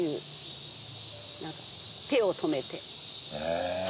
へえ。